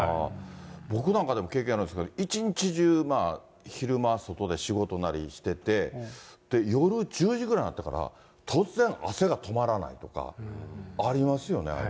僕なんかでも経験あるんですけど、一日中、昼間外で仕事なりしてて、夜１０時ぐらいになってから、突然、汗が止まらないとかありますよね。